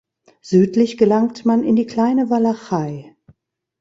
Südlich gelangt man in die Kleine Walachei.